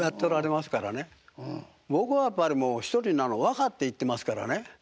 僕はやっぱりもう一人なの分かって行ってますからね。